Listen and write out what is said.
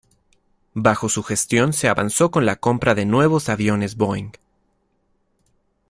Bajo su gestión se avanzó con la compra de nuevos aviones Boeing.